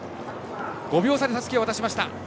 ５秒差でたすきを渡しました。